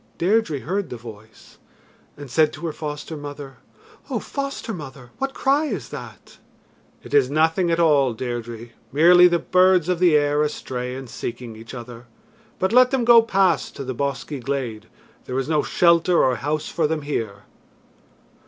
Deirdre heard the voice and said to her foster mother: "O foster mother, what cry is that?" "It is nothing at all, Deirdre merely the birds of the air astray and seeking each other. But let them go past to the bosky glade. There is no shelter or house for them here."